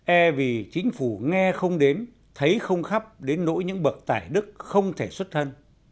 e vì chính phủ nghe không đến thấy không khắp đến nỗi những bậc tài đức không thể xuất thân